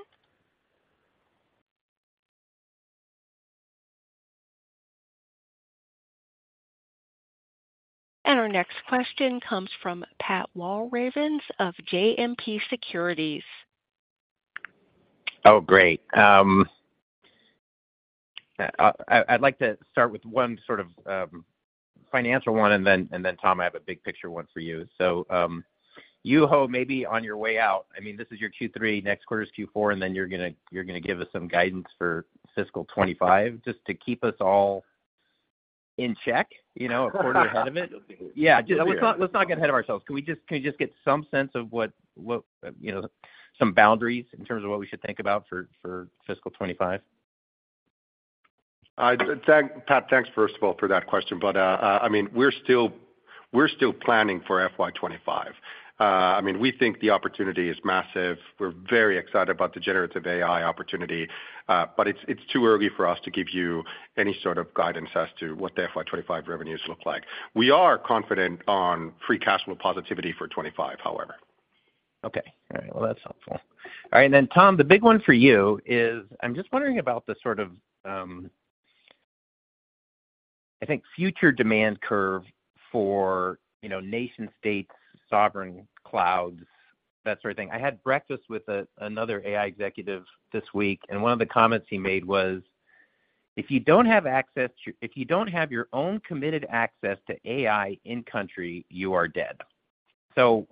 Our next question comes from Pat Walravens of JMP Securities. Oh, great. I'd like to start with one sort of financial one, and then, Tom, I have a big picture one for you. So, Juho, maybe on your way out, I mean, this is your Q3, next quarter's Q4, and then you're going to give us some guidance for fiscal 2025 just to keep us all in check a quarter ahead of it. Yeah, let's not get ahead of ourselves. Can we just get some sense of some boundaries in terms of what we should think about for fiscal 2025? Pat, thanks, first of all, for that question. But I mean, we're still planning for FY 2025. I mean, we think the opportunity is massive. We're very excited about the generative AI opportunity, but it's too early for us to give you any sort of guidance as to what the FY 2025 revenues look like. We are confident on free cash flow positivity for 2025, however. Okay. All right. Well, that's helpful. All right. And then, Tom, the big one for you is I'm just wondering about the sort of, I think, future demand curve for nation-states sovereign clouds, that sort of thing. I had breakfast with another AI executive this week, and one of the comments he made was, "If you don't have your own committed access to AI in-country, you are dead." So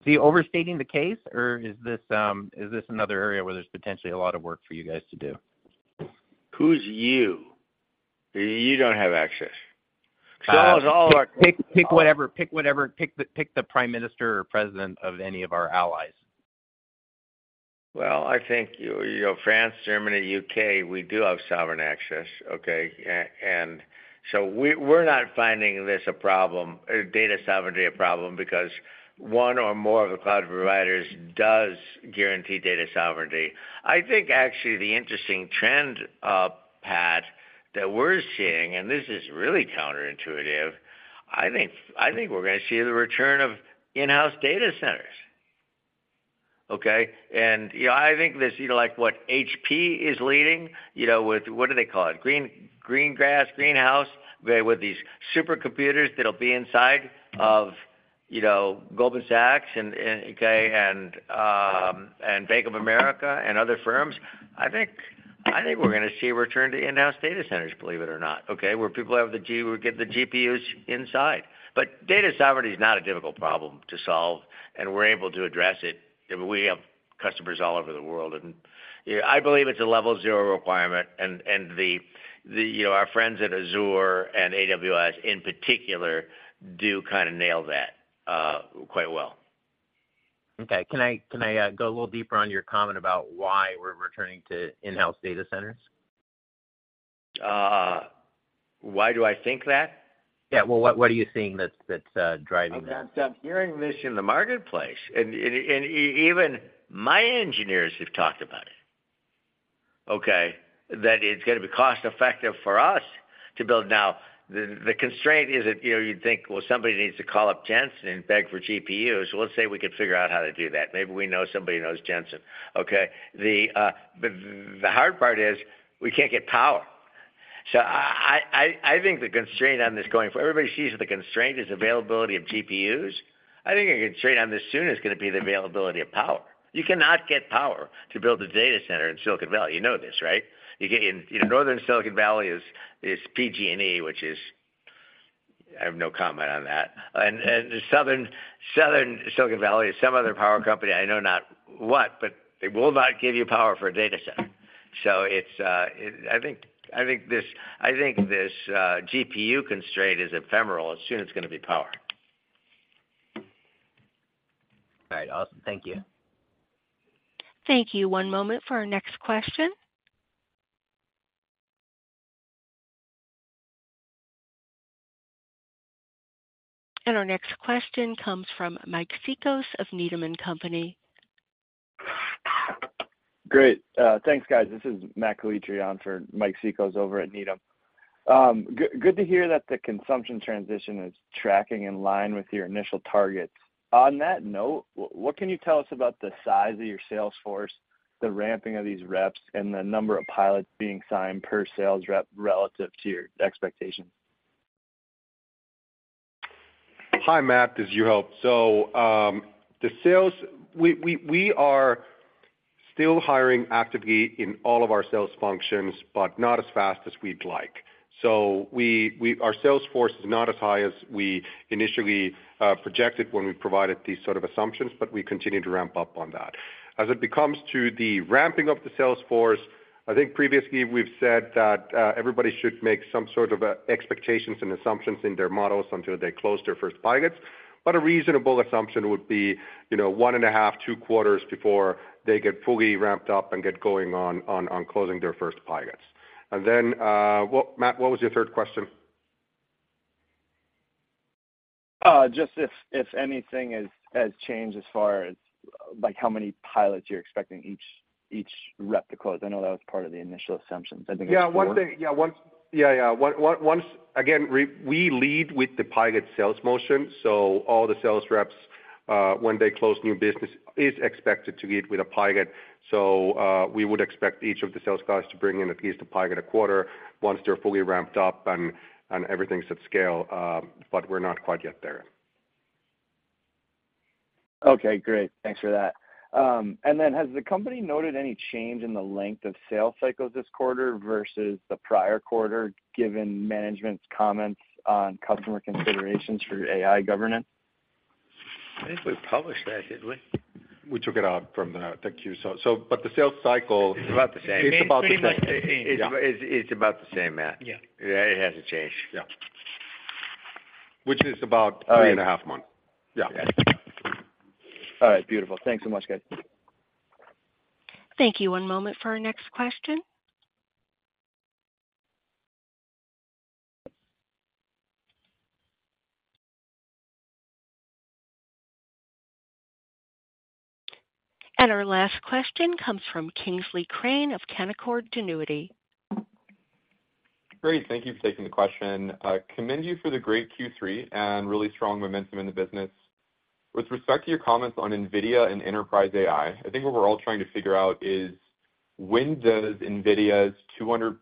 is he overstating the case, or is this another area where there's potentially a lot of work for you guys to do? Who's you? You don't have access. So all of our. Pick whatever. Pick the prime minister or president of any of our allies. Well, I think France, Germany, U.K., we do have sovereign access, okay? And so we're not finding this a problem data sovereignty a problem because one or more of the cloud providers does guarantee data sovereignty. I think, actually, the interesting trend, Pat, that we're seeing and this is really counterintuitive. I think we're going to see the return of in-house data centers, okay? And I think this what HP is leading with what do they call it? Greengrass, Greenhouse? Okay, with these supercomputers that'll be inside of Goldman Sachs, okay, and Bank of America and other firms. I think we're going to see a return to in-house data centers, believe it or not, okay, where people have the we get the GPUs inside. But data sovereignty is not a difficult problem to solve, and we're able to address it. We have customers all over the world, and I believe it's a level zero requirement. Our friends at Azure and AWS, in particular, do kind of nail that quite well. Okay. Can I go a little deeper on your comment about why we're returning to in-house data centers? Why do I think that? Yeah. Well, what are you seeing that's driving that? Because I'm hearing this in the marketplace. And even my engineers have talked about it, okay, that it's going to be cost-effective for us to build. Now, the constraint is that you'd think, "Well, somebody needs to call up Jensen and beg for GPUs." Well, let's say we could figure out how to do that. Maybe we know somebody who knows Jensen, okay? But the hard part is we can't get power. So I think the constraint on this going forward everybody sees that the constraint is availability of GPUs. I think a constraint on this soon is going to be the availability of power. You cannot get power to build a data center in Silicon Valley. You know this, right? In Northern Silicon Valley, it's PG&E, which is. I have no comment on that. Southern Silicon Valley, some other power company I know not what, but they will not give you power for a data center. I think this I think this GPU constraint is ephemeral as soon as it's going to be power. All right. Awesome. Thank you. Thank you. One moment for our next question. Our next question comes from Mike Cikos of Needham & Company. Great. Thanks, guys. This is Matt Calitri on for Mike Cikos over at Needham. Good to hear that the consumption transition is tracking in line with your initial targets. On that note, what can you tell us about the size of your sales force, the ramping of these reps, and the number of pilots being signed per sales rep relative to your expectations? Hi, Matt. As you helped. So we are still hiring actively in all of our sales functions, but not as fast as we'd like. So our sales force is not as high as we initially projected when we provided these sort of assumptions, but we continue to ramp up on that. As it becomes to the ramping of the sales force, I think previously, we've said that everybody should make some sort of expectations and assumptions in their models until they close their first pilots. But a reasonable assumption would be one and a half, two quarters before they get fully ramped up and get going on closing their first pilots. And then, Matt, what was your third question? Just if anything has changed as far as how many pilots you're expecting each rep to close? I know that was part of the initial assumptions. I think it's four. Again, we lead with the pilot sales motion. All the sales reps, when they close new business, are expected to lead with a pilot. We would expect each of the sales guys to bring in at least a pilot a quarter once they're fully ramped up and everything's at scale. But we're not quite yet there. Okay. Great. Thanks for that. Then has the company noted any change in the length of sales cycles this quarter versus the prior quarter given management's comments on customer considerations for AI governance? I think we published that, didn't we? We took it out from the Q. But the sales cycle. It's about the same. It's about the same, Matt. It hasn't changed. Yeah. Which is about three and a half months. Yeah. All right. Beautiful. Thanks so much, guys. Thank you. One moment for our next question. Our last question comes from Kingsley Crane of Canaccord Genuity. Great. Thank you for taking the question. Commend you for the great Q3 and really strong momentum in the business. With respect to your comments on NVIDIA and Enterprise AI, I think what we're all trying to figure out is when does NVIDIA's +200%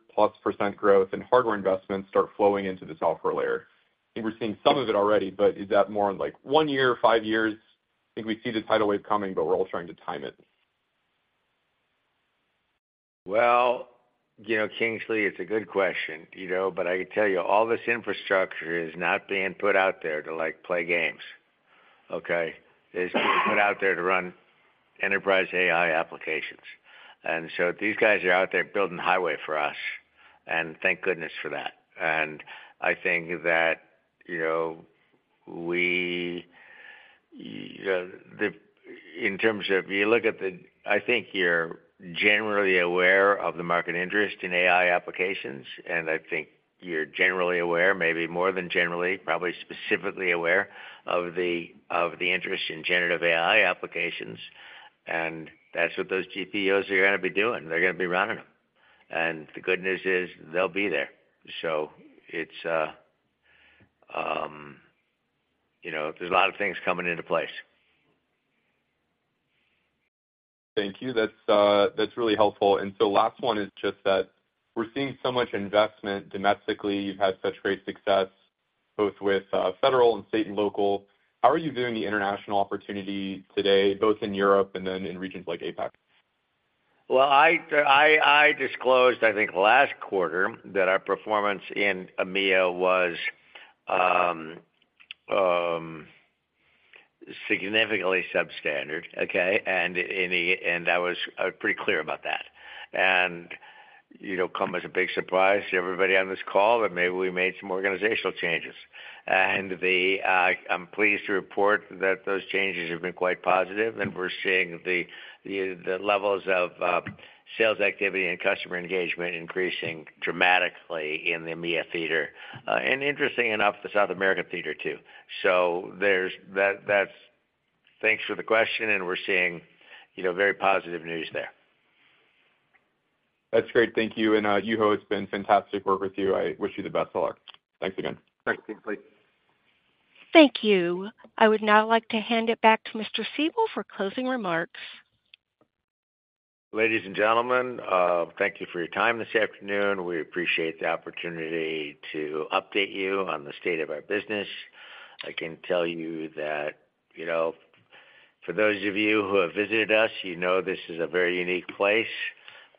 growth in hardware investments start flowing into the software layer? I think we're seeing some of it already, but is that more in one year, five years? I think we see the tidal wave coming, but we're all trying to time it. Well, Kingsley, it's a good question. But I can tell you, all this infrastructure is not being put out there to play games, okay? It's being put out there to run Enterprise AI applications. And so these guys are out there building highway for us, and thank goodness for that. And I think that in terms of you look at the I think you're generally aware of the market interest in AI applications, and I think you're generally aware, maybe more than generally, probably specifically aware of the interest in generative AI applications. And that's what those GPUs are going to be doing. They're going to be running them. And the good news is they'll be there. So there's a lot of things coming into place. Thank you. That's really helpful. And so last one is just that we're seeing so much investment domestically. You've had such great success both with federal and state and local. How are you viewing the international opportunity today, both in Europe and then in regions like APAC? Well, I disclosed, I think, last quarter that our performance in EMEA was significantly substandard, okay? I was pretty clear about that. Come as a big surprise to everybody on this call that maybe we made some organizational changes. I'm pleased to report that those changes have been quite positive, and we're seeing the levels of sales activity and customer engagement increasing dramatically in the EMEA theater. Interesting enough, the South American theater too. So thanks for the question, and we're seeing very positive news there. That's great. Thank you. Juho, it's been fantastic work with you. I wish you the best of luck. Thanks again. Thanks, Kingsley. Thank you. I would now like to hand it back to Mr. Siebel for closing remarks. Ladies and gentlemen, thank you for your time this afternoon. We appreciate the opportunity to update you on the state of our business. I can tell you that for those of you who have visited us, you know this is a very unique place.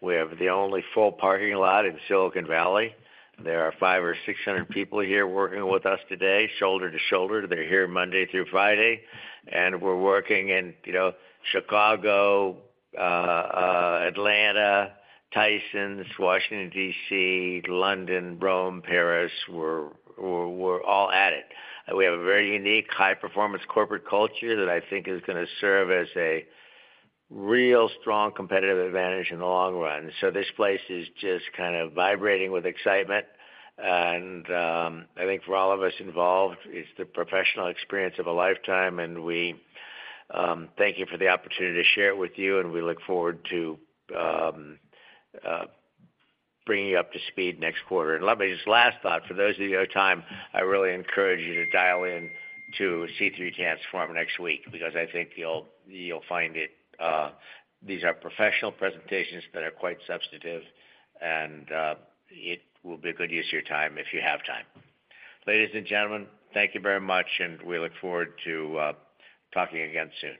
We have the only full parking lot in Silicon Valley. There are 500 or 600 people here working with us today, shoulder to shoulder. They're here Monday through Friday. We're working in Chicago, Atlanta, Tysons, Washington, D.C., London, Rome, Paris. We're all at it. We have a very unique, high-performance corporate culture that I think is going to serve as a real strong competitive advantage in the long run. So this place is just kind of vibrating with excitement. And I think for all of us involved, it's the professional experience of a lifetime. Thank you for the opportunity to share it with you, and we look forward to bringing you up to speed next quarter. Let me just last thought. For those of you who have time, I really encourage you to dial in to C3 Transform next week because I think you'll find it these are professional presentations that are quite substantive, and it will be a good use of your time if you have time. Ladies and gentlemen, thank you very much, and we look forward to talking again soon.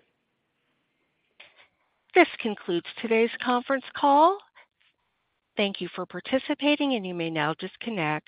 This concludes today's conference call. Thank you for participating, and you may now disconnect.